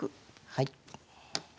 はい。